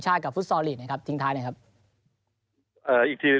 ชาติกับฟุทธศรนี่ครับทีท้ายนะครับเอ่ออีกทีนี่